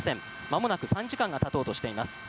まもなく３時間が経とうとしています。